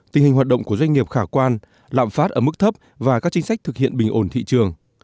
tình hình hoạt động của doanh nghiệp khả quan lạm phát ở mức thấp và các chính sách thực hiện bình ổn thị trường